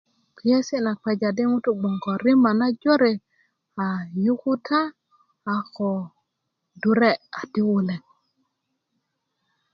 kpiyesi na kpeja di ŋutu bgoŋ ko rima na jore a yukuta a ko dure di wulek